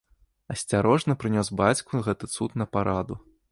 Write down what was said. Асцярожна прынёс бацьку гэты цуд на параду.